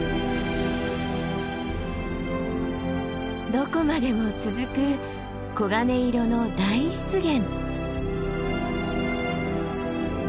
どこまでも続く黄金色の大湿原。